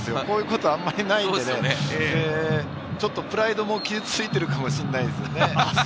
こういうことあまりないので、ちょっとプライドも傷ついているかもしれないですね。